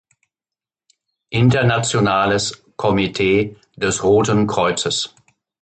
Internationales Komitee des Roten Kreuzes